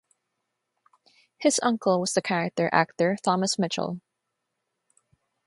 His uncle was the character actor Thomas Mitchell.